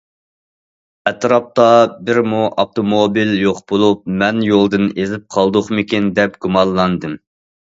ئەتراپتا بىرمۇ ئاپتوموبىل يوق بولۇپ، مەن يولدىن ئېزىپ قالدۇقمىكىن، دەپ گۇمانلاندىم.